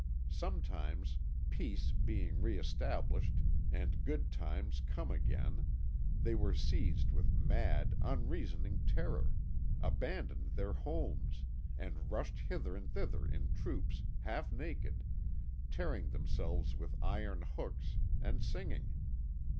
Sometimes, peace being re established, and good times come again, they were seized with mad, unreasoning terror, abandoned their homes, and rushed hither and thither in troops, half naked, tearing themselves with iron hooks, and singing.